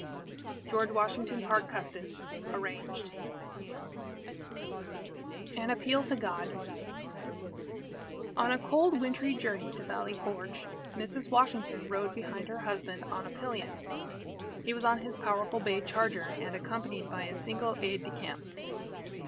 George Washington Parke Custis (Arranged) AN APPEAL TO GOD On a cold wintry journey to Valley Forge, Mrs. Washington rode behind her husband on a pillion. He was on his powerful bay charger, and accompanied by a single aide de camp.